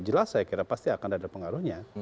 jelas saya kira pasti akan ada pengaruhnya